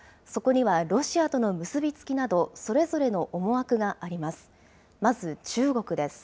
そこにはロシアとの結び付きなど、それぞれの思惑があります。